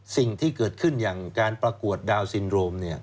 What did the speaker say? สิ่งที่เกิดขึ้นอย่างการประกวดดาวนซินโรม